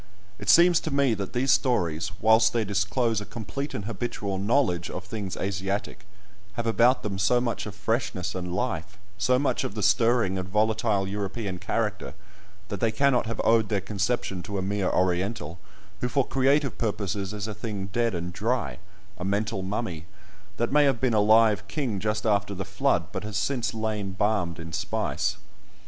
It seems to me that these stories, whilst they disclose a complete and habitual knowledge of things Asiatic, have about them so much of freshness and life, so much of the stirring and volatile European character, that they cannot have owed their conception to a mere Oriental, who for creative purposes is a thing dead and dry—a mental mummy, that may have been a live king just after the Flood, but has since lain balmed in spice.